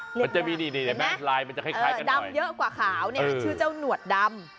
มันจะมีดีดำเยอะกว่าขาวชื่อเจ้าหนวดดำ